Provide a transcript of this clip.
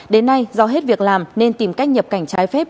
đến nay do hết việc làm nên tìm cách nhập cảnh trái phép